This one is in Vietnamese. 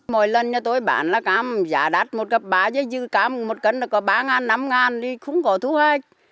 mỗi lần tôi bán cam giá đắt một cặp bá dư cam một cận có ba ngàn năm ngàn không có thu hoạch